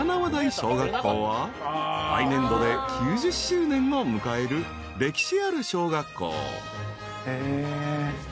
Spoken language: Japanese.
［来年度で９０周年を迎える歴史ある小学校］へえー。